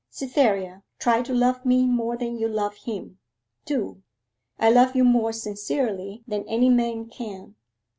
'Cytherea, try to love me more than you love him do. I love you more sincerely than any man can.